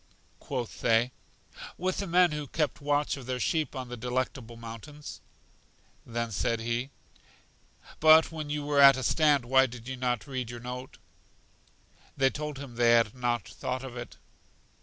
Quoth they: With the men who kept watch of their sheep on The Delectable Mountains. Then he said: But when you were at a stand why did you not read your note? They told him they had not thought of it.